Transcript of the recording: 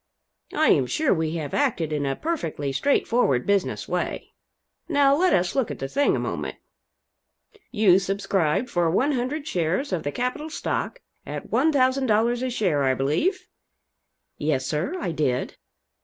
I am sure we have acted in a perfectly straight forward business way. Now let us look at the thing a moment. You subscribed for 100 shares of the capital stock, at $1,000 a share, I believe?" "Yes, sir, I did."